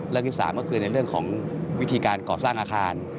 ที่๓ก็คือในเรื่องของวิธีการก่อสร้างอาคาร